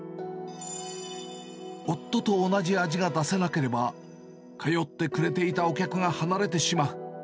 夫と同じ味が出せなければ、通ってくれていたお客が離れてしまう。